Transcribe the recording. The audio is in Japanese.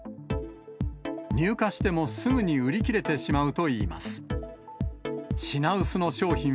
入荷してもすぐに売り切れてしまうといいます。